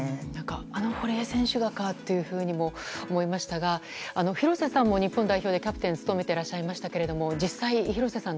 あの堀江選手がと思いましたが廣瀬さんも日本代表でキャプテンを務めてらっしゃいましたが実際、廣瀬さん